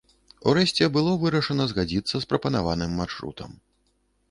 Урэшце было вырашана згадзіцца з прапанаваным маршрутам.